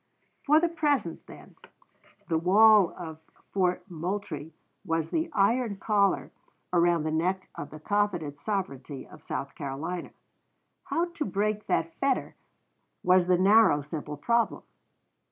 For the present, then, the wall of Fort Moultrie was the iron collar around the neck of the coveted "sovereignty" of South Carolina. How to break that fetter was the narrow, simple problem.